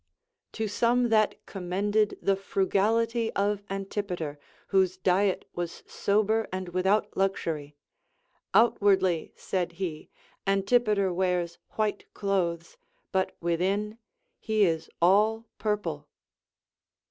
* To some that commended the frugality of Antipater, whose diet was sober and without luxury ; Outwardly, said he, Antipater wears white clothes, but within he is all purple.